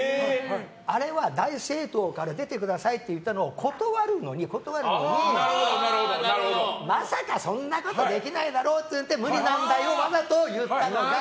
あれは大政党から出てくださいって言ったのを断るのに、まさかそんなことできないだろうと無理難題をわざと言ったのが。